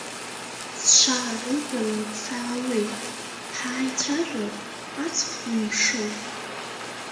Сшаарылгалак саауеит, ҳааицәажәап, аҵх ду имшо.